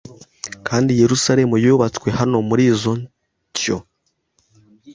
Kandi Yerusalemu yubatswe hano Muri izo nsyo